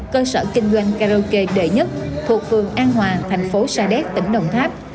cơ sở kinh doanh karaoke đệ nhất thuộc vườn an hoàng thành phố sa đét tỉnh đồng tháp